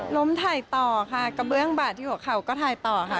ถ่ายต่อค่ะกระเบื้องบาดที่หัวเข่าก็ถ่ายต่อค่ะ